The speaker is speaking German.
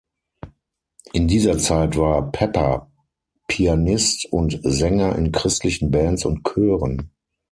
In dieser Zeit war Pepper Pianist und Sänger in christlichen Bands und Chören.